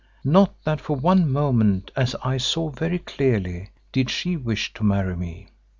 Not that for one moment, as I saw very clearly, did she wish to marry me.